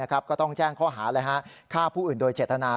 ก็ต้องแจ้งข้อหาฆ่าผู้อื่นโดยเจตนา